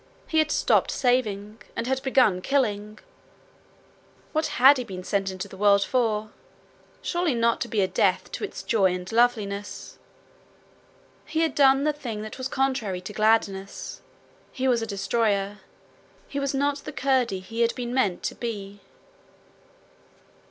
He had stopped saving, and had begun killing! What had he been sent into the world for? Surely not to be a death to its joy and loveliness. He had done the thing that was contrary to gladness; he was a destroyer! He was not the Curdie he had been meant to be!